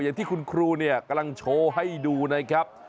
อย่างที่คุณครูเนี่ยกำลังโชว์ให้ดูนะครับ